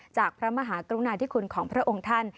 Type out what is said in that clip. จากพระมหากรุงนาฬิกลุของพระองค์ท่าน